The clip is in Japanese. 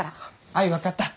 あい分かった。